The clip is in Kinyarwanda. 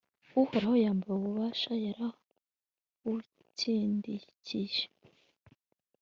uhoraho yambaye ububasha, yarabukindikije